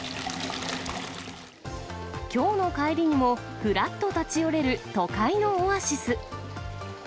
きょうの帰りにもふらっと立ち寄れる都会のオアシス。